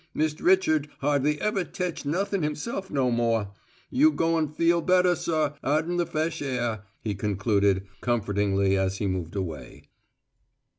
Mist' Richard hardly ever tech nothin' himself no more. You goin' feel better, suh, out in the f'esh air," he concluded, comfortingly as he moved away.